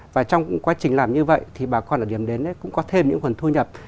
và trong quá trình làm như vậy thì bà con ở điểm đến cũng có thêm những nguồn thu nhập